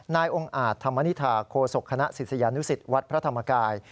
นายองค์อาจธรรมนิษฐาโคศกคณะศิษยานุสิตวัดพระธรรมกาย